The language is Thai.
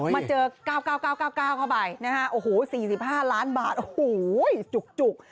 มาเจอ๙๙๙๙๙๙๙เข้าไปนะฮะโอ้โห๔๕ล้านบาทโอ้โหจุก